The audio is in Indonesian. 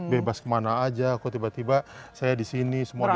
bebas kemana aja kok tiba tiba saya di sini semua